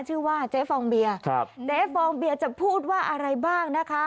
ชื่อว่าเจ๊ฟองเบียร์ครับเจ๊ฟองเบียจะพูดว่าอะไรบ้างนะคะ